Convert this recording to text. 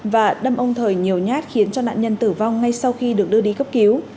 và đâm ông thời nhiều nhát khiến cho nạn nhân tử vong ngay sau khi được đưa đi cấp cứu